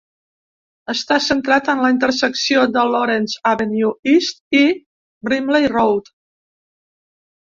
Està centrat en la intersecció de Lawrence Avenue East i Brimley Road.